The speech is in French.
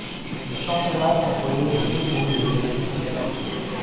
Le Championnat est composé de deux poules de huit équipes.